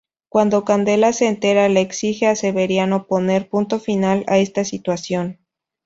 Cuando Candela se entera le exige a Severiano poner punto final a esta situación.